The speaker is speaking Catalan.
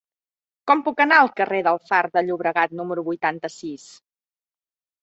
Com puc anar al carrer del Far de Llobregat número vuitanta-sis?